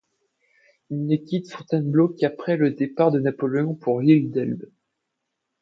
Il ne quitte Fontainebleau qu'après le départ de Napoléon pour l'île d'Elbe.